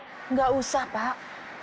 enggak usah pak